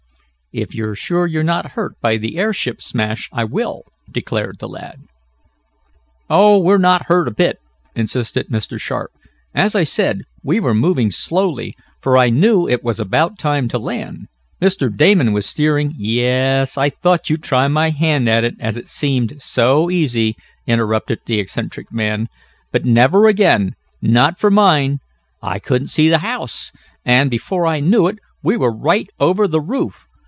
"If you're sure you're not hurt by the airship smash, I will," declared the lad. "Oh, we're not hurt a bit," insisted Mr. Sharp. "As I said we were moving slow, for I knew it was about time to land. Mr. Damon was steering " "Yes I thought I'd try my hand at it, as it seemed so easy," interrupted the eccentric man. "But never again not for mine! I couldn't see the house, and, before I knew it we were right over the roof.